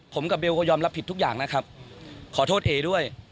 ผมกับเบลก็ยอมรับผิดทุกอย่างนะครับขอโทษเอด้วย